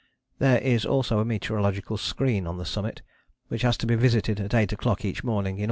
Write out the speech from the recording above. There is also a meteorological screen on the summit, which has to be visited at eight o'clock each morning in all weathers.